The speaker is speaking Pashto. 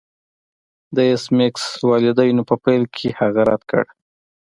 د ایس میکس والدینو په پیل کې هغه رد کړ